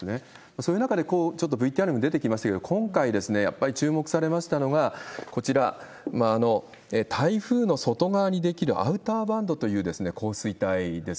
そういう中で、ちょっとＶＴＲにも出てきましたけれども、今回ですね、やっぱり注目されましたのが、こちら、台風の外側に出来るアウターバンドという降水帯です。